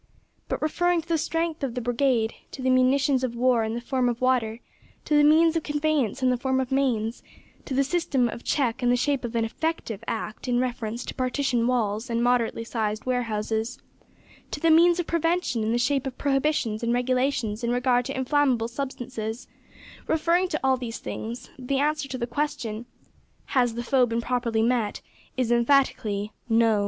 But referring to the strength of the brigade; to the munitions of war in the form of water; to the means of conveyance in the form of mains; to the system of check in the shape of an effective Act in reference to partition walls and moderately sized warehouses; to the means of prevention in the shape of prohibitions and regulations in regard to inflammable substances referring to all these things, the answer to the question, "Has the foe been properly met?" is emphatically, No.